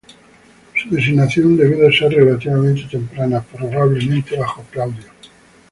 Su designación debió ser relativamente temprana, probablemente bajo Claudio.